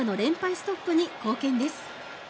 ストップに貢献です。